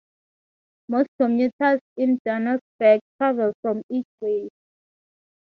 Most commuters in Duanesburg travel from each way.